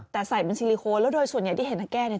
แต่ใส่เป็นซิลิโคนแล้วโดยส่วนใหญ่ที่เห็นตะแก้เนี่ย